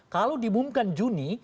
kalau diumumkan juni